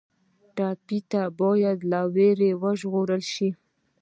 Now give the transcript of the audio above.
ټپي ته باید له وېرې وژغورل شي.